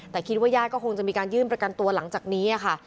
แต่คิดว่าญาติก็คงจะมีการยื่นประกันตัวหลังจากนี้ค่ะ